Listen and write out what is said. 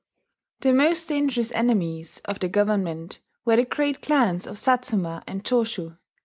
The most dangerous enemies of the government were the great clans of Satsuma and Choshu.